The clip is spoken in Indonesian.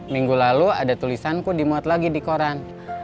minggu lalu ada tulisanku dimuat lagi di koran